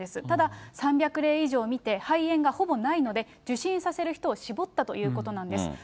ただ、３００例以上見て、肺炎がほぼないので、受診させる人を絞ったということなんです。